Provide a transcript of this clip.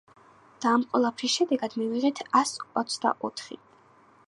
და ამ ყველაფრის შედეგად მივიღეთ ას ოცდაოთხი.